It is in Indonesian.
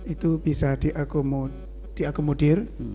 itu bisa diakomodir